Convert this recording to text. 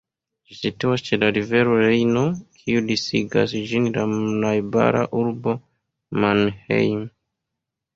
Ĝi situas ĉe la rivero Rejno, kiu disigas ĝin de la najbara urbo Mannheim.